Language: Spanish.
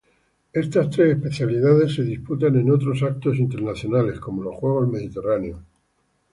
Estas tres especialidades se disputan en otros eventos internacionales como los Juegos Mediterráneos.